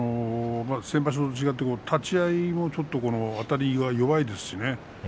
先場所と違って立ち合いのあたりが弱いですね。